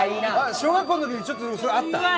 小学校の時にちょっとあった？